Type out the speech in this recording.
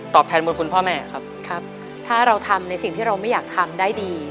แทนบุญคุณพ่อแม่ครับครับถ้าเราทำในสิ่งที่เราไม่อยากทำได้ดี